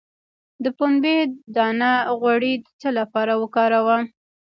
د پنبې دانه غوړي د څه لپاره وکاروم؟